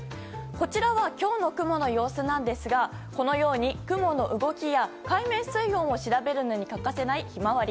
こちらは今日の雲の様子なんですがこのように雲の動きや海面水温を調べるのに欠かせない「ひまわり」。